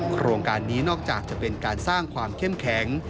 โครงการนี้นอกจากจะเป็นการสร้างความเข้มแข็ง